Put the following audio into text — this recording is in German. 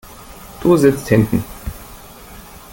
Du sitzt hinten.